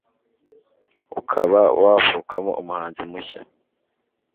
ukaba wavukamo umuhanzi mushya